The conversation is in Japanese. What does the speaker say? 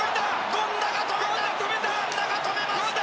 権田が止めました！